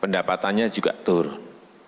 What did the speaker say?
pendapatannya juga turun